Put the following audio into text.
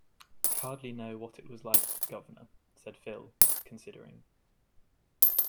"I hardly know what it was like, guv'nor," said Phil, considering.